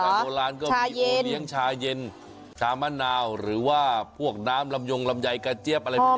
โบราณก็มีโอเลี้ยงชาเย็นชามะนาวหรือว่าพวกน้ำลำยงลำไยกระเจี๊ยบอะไรพวกนี้